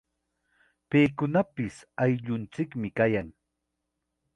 Paykunapis ayllunchikmi kayan.